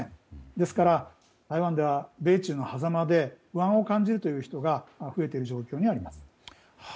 ですから台湾では米中のはざまで不安を感じる人が増えている状況にあります。